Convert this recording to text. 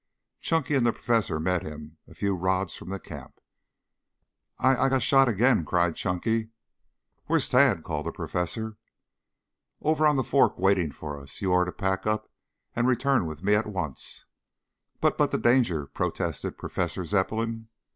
Chunky and the professor met him a few rods from the camp. "I I got shot again!" cried Chunky. "Where is Tad?" called the professor. "Over on the fork waiting for us. You are to pack up and return with me at once." "But but, the danger," protested Professor Zepplin.